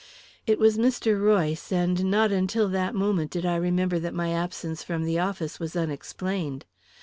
It was Mr. Royce, and not until that moment did I remember that my absence from the office was unexplained.